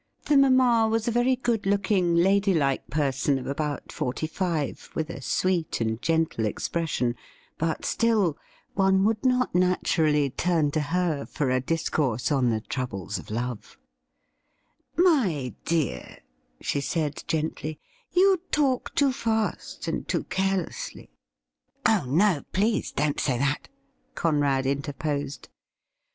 The mamma was a very good looking, lady like person of about forty five, with a sweet and gentle expression ; but, still, one would not natvurally turn to her for a discourse on the troubles of love, ' My dear,' she said gently, ' you talk too fast and too carelessly '' Oh no, please don't say that,' Conrad interposed.